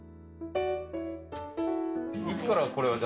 いつからこれは？